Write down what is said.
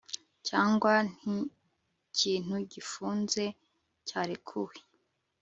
Cyangwa nkikintu gifunze cyarekuwe